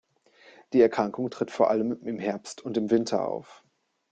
Die Erkrankung tritt vor allem im Herbst und im Winter auf.